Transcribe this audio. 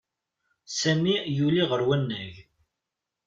Sami yuli ɣer wannag.